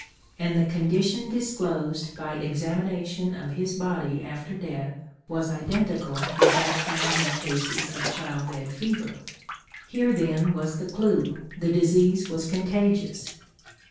And the condition disclosed by examination of his body after death was identical with that found in cases of child bed fever. Here then was the clew; the disease was contagious.